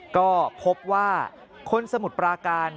ก็พบว่าคนสมุทรปราการ